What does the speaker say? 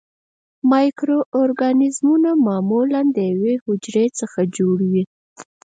مایکرو ارګانیزمونه معمولاً د یوې حجرې څخه جوړ وي.